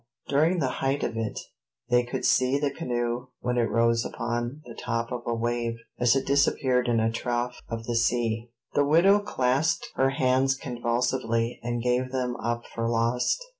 During the height of it, they could see the canoe when it rose upon the top of a wave; as it disappeared in a trough of the sea, the widow clasped her hands convulsively, and gave them up for lost.